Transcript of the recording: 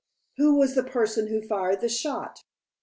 "Who was the person who fired the shot?"